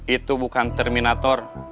itu bukan terminator